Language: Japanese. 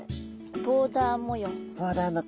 ボーダー模様の。